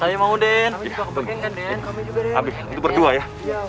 ini untuk berdua ya